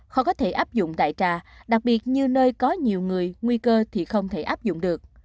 khó có thể áp dụng đại trà đặc biệt như nơi có nhiều người nguy cơ thì không thể áp dụng được